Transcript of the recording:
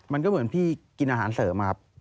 มันก็เหมือนพี่กินอาหารเสริมครับ